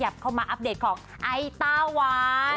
เป็นอัปเดตของไอ้ตาวาน